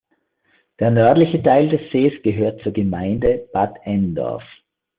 Der nördliche Teil des Sees gehört zur Gemeinde Bad Endorf.